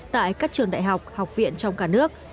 tại các trường đại học học viện trong cả nước